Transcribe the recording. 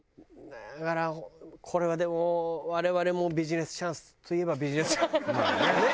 だからこれはでも我々もビジネスチャンスといえばビジネス。